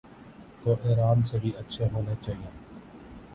تو ایران سے بھی اچھے ہونے چائیں۔